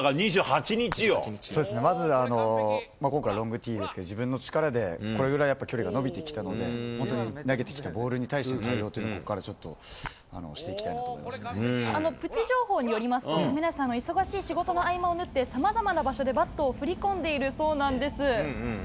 そうですね、まず、今回、ロングティーですけど、力でこれぐらいやっぱり距離が伸びてきたので、本当に投げてきたボールに対して対応っていうのをここからちょっプチ情報によりますと、亀梨さん、忙しい仕事の合間を縫って、さまざまな場所でバットを振り込んでいるそうなんです。